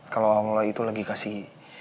kalau awal itu lagi kasih